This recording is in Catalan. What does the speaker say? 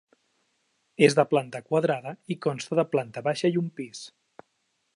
És de planta quadrada i consta de planta baixa i un pis.